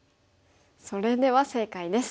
それでは正解です。